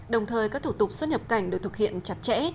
đồng thời các thủ tục xuất nhập cảnh được thực hiện chặt chẽ